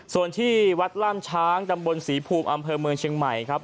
ส่วนที่วัดล่ามช้างตำบลศรีภูมิอำเภอเมืองเชียงใหม่ครับ